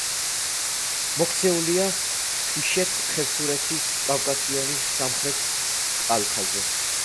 მოქცეულია თუშეთ-ხევსურეთის კავკასიონის სამხრეთ კალთაზე.